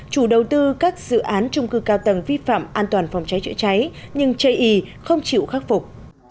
chủ đầu tư các dự án trung cư cao tầng vi phạm an toàn phòng cháy chữa cháy nhưng ji không chịu khắc phục